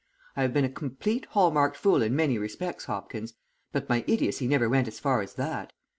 I have been a complete hall marked fool in many respects, Hopkins, but my idiocy never went as far as that.